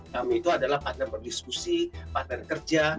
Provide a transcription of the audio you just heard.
kami itu adalah partner berdiskusi partner kerja